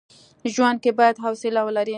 ژوند کي بايد حوصله ولري.